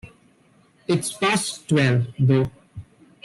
It’s past twelve, though.